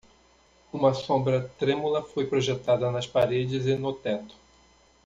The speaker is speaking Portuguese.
Uma sombra trêmula foi projetada nas paredes e no teto.